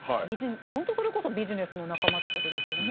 ほんとそれこそビジネスの仲間ってことですよね。